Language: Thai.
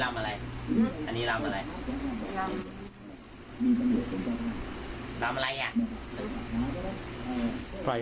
ลำอะไรเนี่ย